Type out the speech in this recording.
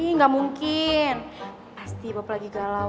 nggak mungkin pasti bob lagi galau